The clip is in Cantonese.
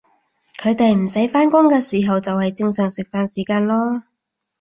佢哋唔使返工嘅时候就係正常食飯時間囉